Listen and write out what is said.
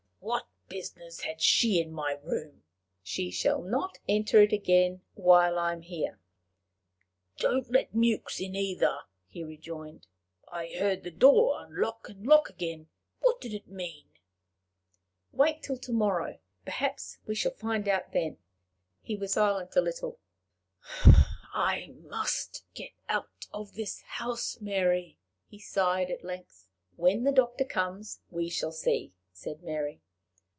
"What business had she in my room?" "She shall not enter it again while I am here." "Don't let Mewks in either," he rejoined. "I heard the door unlock and lock again: what did it mean?" "Wait till to morrow. Perhaps we shall find out then." He was silent a little. "I must get out of this house, Mary," he sighed at length. "When the doctor comes, we shall see," said Mary.